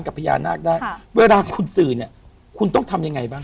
กับพญานาคได้เวลาคุณสื่อเนี่ยคุณต้องทำยังไงบ้าง